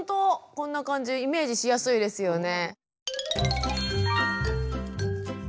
こんな感じイメージしやすいですよね。